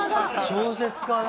小説家だ。